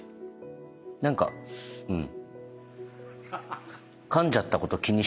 何かうん。